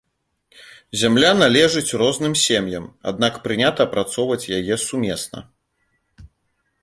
Зямля належыць розным сем'ям, аднак прынята апрацоўваць яе сумесна.